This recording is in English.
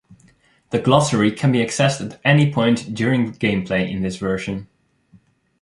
The glossary can be accessed at any point during gameplay in this version.